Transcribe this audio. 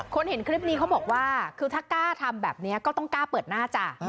เห็นคลิปนี้เขาบอกว่าคือถ้ากล้าทำแบบนี้ก็ต้องกล้าเปิดหน้าจ้ะ